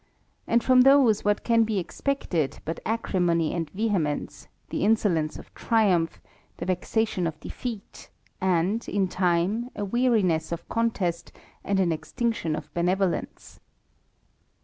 and from those what can be expected, but acrimony and vehemence, the insolence of triumph, the vexation of defeat, and, in time, a weariness of contest, and an extinction of benevolence